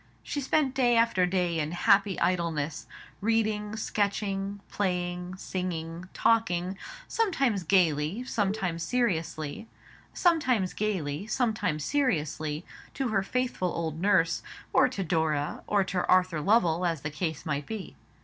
She spent day after day in happy idleness—reading, sketching, playing, singing, talking, sometimes gaily sometimes seriously, to her faithful old nurse, or to Dora, or to Arthur Lovell, as the case might be.